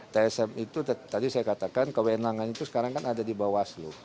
tsm itu tadi saya katakan kewenangan itu sekarang kan ada di bawaslu